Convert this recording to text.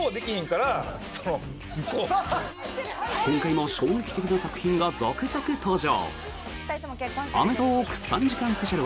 今回も衝撃的な作品が続々登場！